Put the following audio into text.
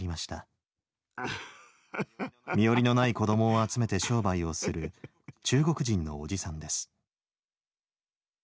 身寄りのない子どもを集めて商売をする中国人のおじさんです